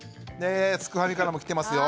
すくファミからも来てますよ。